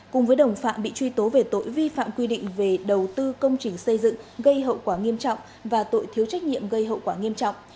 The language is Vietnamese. cùng với đồng phạm bị truy tố về tội vi phạm quy định về đầu tư công trình xây dựng gây hậu quả nghiêm trọng và tội thiếu trách nhiệm gây hậu quả nghiêm trọng